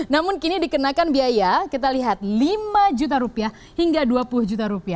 namun kini dikenakan biaya kita lihat rp lima hingga rp dua puluh